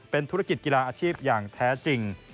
เป็นธุรกิจกีฬาอาชีพอย่างแท้จริง